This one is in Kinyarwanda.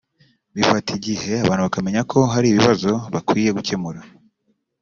Bifata igihe abantu bakamenya ko hari ikibazo bakwiye gukemura